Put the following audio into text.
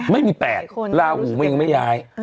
ไม่มีแปดเราก็ยังไม่ย้าย